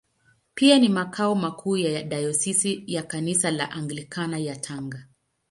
Pia ni makao makuu ya Dayosisi ya Kanisa la Anglikana ya Tanga.